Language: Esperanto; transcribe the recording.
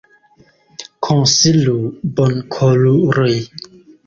Konsilu, bonkoruloj!